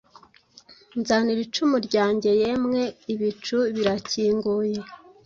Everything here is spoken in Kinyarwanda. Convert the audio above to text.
Nzanira icumu ryanjye: Yemwe ibicu birakinguye!